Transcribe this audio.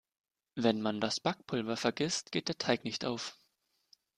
Wenn man das Backpulver vergisst, geht der Teig nicht auf.